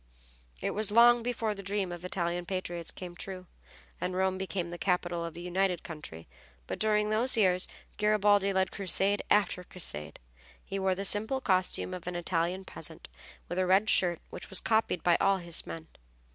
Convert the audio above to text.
It was long before the dream of Italian patriots came true and Rome became the capital of a united country, but during those years Garibaldi led crusade after crusade. He wore the simple costume of an Italian peasant, with a red shirt which was copied by all his men.